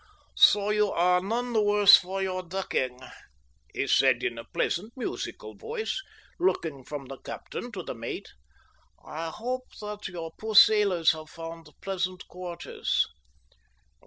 "So you are none the worse for your ducking," he said in a pleasant, musical voice, looking from the captain to the mate. "I hope that your poor sailors have found pleasant quarters."